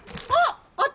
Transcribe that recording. あっ！